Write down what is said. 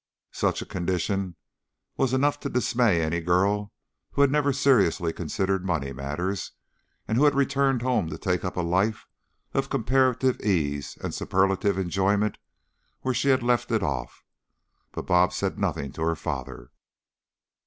Such a condition was enough to dismay any girl who had never seriously considered money matters and who had returned home to take up a life of comparative ease and superlative enjoyment where she had left it off, but "Bob" said nothing to her father.